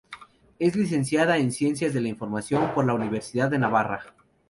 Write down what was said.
Es Licenciada en Ciencias de la Información por la Universidad de Navarra.